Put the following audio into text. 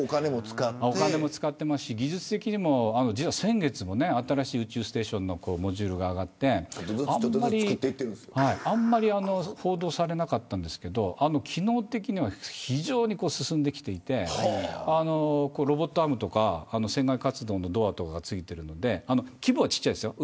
お金も使っていますし技術的にも先月も新しい宇宙ステーションのモジュールが上がってあんまり報道されなかったんですけれど機能的には非常に進んできていてロボットアームとか船外活動のドアとかが付いているので規模は小さいですよ。